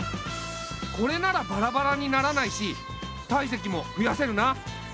これならバラバラにならないし体積もふやせるな。